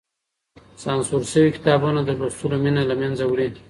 سانسور سوي کتابونه د لوستلو مينه له منځه وړي.